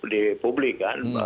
di publik kan